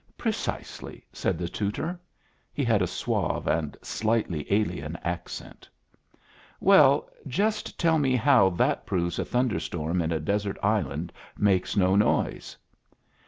"Precisely," said the tutor. He had a suave and slightly alien accent. "Well, just tell me how that proves a thunder storm in a desert island makes no noise."